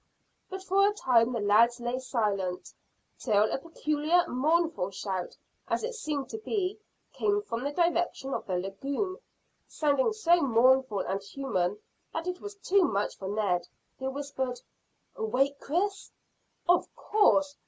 But for a time the lads lay silent, till a peculiar mournful shout, as it seemed to be, came from the direction of the lagoon, sounding so mournful and human that it was too much for Ned, who whispered "Awake, Chris?" "Of course.